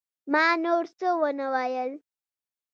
ما نور څه ونه ويل.